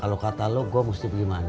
kalo kata lu gue mesti pergi mana